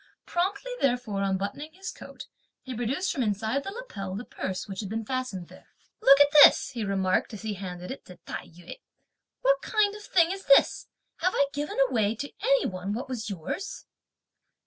Promptly therefore unbuttoning his coat, he produced from inside the lapel the purse, which had been fastened there. "Look at this!" he remarked as he handed it to Tai yü; "what kind of thing is this! have I given away to any one what was yours?"